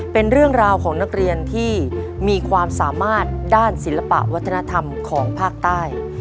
เป็นเรื่องราวของนักเรียนที่มีความสามารถด้านศิลปะวัฒนธรรมของภาคใต้